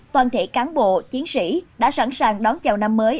toàn thể cán bộ chiến sĩ đã sẵn sàng đón chào năm mới